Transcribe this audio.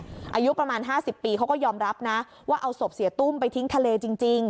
อายุประมาณ๕๐ปีเขาก็ยอมรับนะว่าเอาศพเสียตุ้มไปทิ้งทะเลจริง